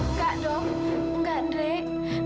nggak dok nggak drek